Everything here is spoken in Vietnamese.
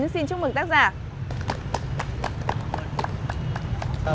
xin chúc mừng tác giả